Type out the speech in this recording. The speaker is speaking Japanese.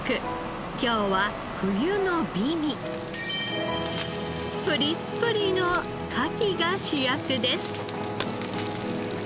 今日は冬の美味プリップリのカキが主役です。